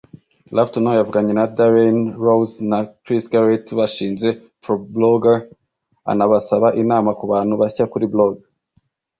LoveToKnow yavuganye na Darren Rowse na Chris Garrett, bashinze ProBlogger, anabasaba inama kubantu bashya kuri blog.